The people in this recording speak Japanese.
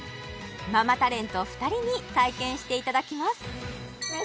ママタレント２人に体験していただきます